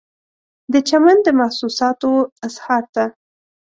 د چمن د محسوساتو و اظهار ته